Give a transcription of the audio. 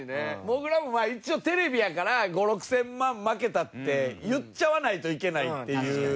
もぐらも一応テレビやから５６千万負けたって言っちゃわないといけないっていう。